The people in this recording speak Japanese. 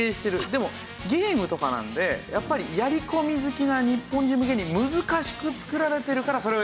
でもゲームとかなのでやっぱりやり込み好きな日本人向けに難しく作られているからそれをやりたい。